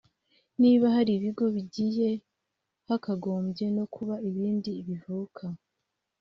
niba hari ibigo bigiye hakagombye no kuba ibindi bivuka